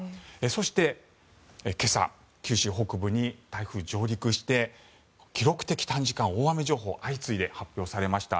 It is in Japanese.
そして、今朝九州北部に台風が上陸して記録的短時間大雨情報が相次いで発表されました。